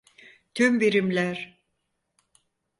Tüm birimler.